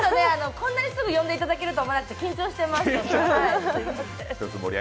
こんなにすぐ呼んでいただけると思ってなくて、緊張してます。